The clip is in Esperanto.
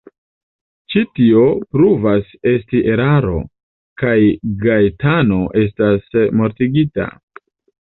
Ĉi tio pruvas esti eraro, kaj Gaetano estas mortigita.